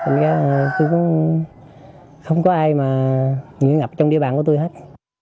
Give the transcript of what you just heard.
thành ra tôi cũng không có ai mà nghĩ ngập trong địa bàn của tôi hết